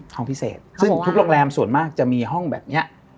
ห้องพิเศษซึ่งทุกโรงแรมส่วนมากจะมีห้องแบบนี้